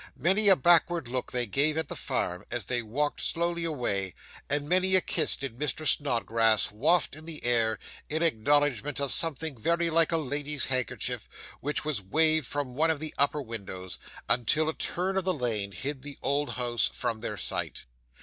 Many a backward look they gave at the farm, as they walked slowly away; and many a kiss did Mr. Snodgrass waft in the air, in acknowledgment of something very like a lady's handkerchief, which was waved from one of the upper windows, until a turn of the lane hid the old house from their sight.